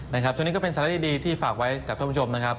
ช่วงนี้ก็เป็นสาระดีที่ฝากไว้กับท่านผู้ชมนะครับ